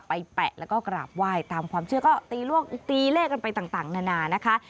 แปะแล้วก็กราบไหว้ตามความเชื่อก็ตีเลขกันไปต่างนานานะคะ